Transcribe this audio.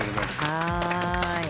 はい。